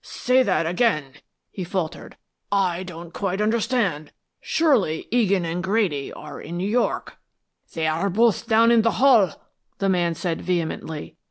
"Say that again," he faltered. "I don't quite understand. Surely Egan and Grady are in New York." "They are both down in the hall," the man said, vehemently.